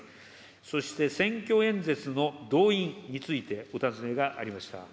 そして選挙演説の動員についてお尋ねがありました。